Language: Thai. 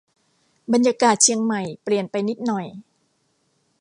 บรรยากาศเชียงใหม่เปลี่ยนไปนิดหน่อย